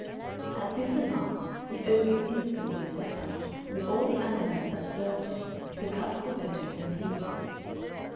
At this alarm the ogre instantly set out, with all the animals that served him, to cut Corvetto in pieces.